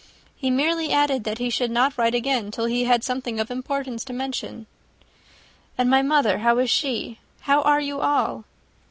He merely added, that he should not write again, till he had something of importance to mention." "And my mother how is she? How are you all?"